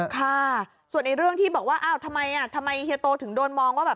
ค่ะส่วนในเรื่องที่บอกว่าทำไมเฮโตะถึงโดนมองว่า